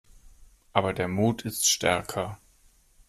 Aber der Mut ist stärker.